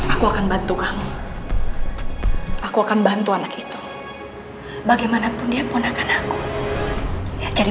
aku akan bantu kamu aku akan bantu anak itu bagaimanapun dia ponakan aku ya cari